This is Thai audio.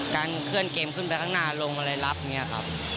การเคลื่อนเกมขึ้นไปข้างหน้าลงอะไรรับอย่างนี้ครับ